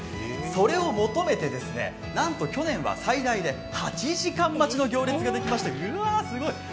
それを求めて、なんと去年は最大で８時間待ちの行列ができました、すごい。